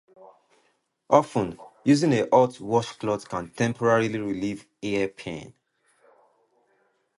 Often using a hot washcloth can temporarily relieve ear pain.